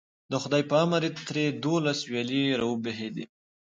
د خدای په امر ترې دولس ویالې راوبهېدې.